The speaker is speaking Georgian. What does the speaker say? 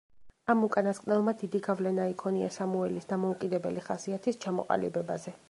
ამ უკანასკნელმა დიდი გავლენა იქონია სამუელის დამოუკიდებელი ხასიათის ჩამოყალიბებაზე.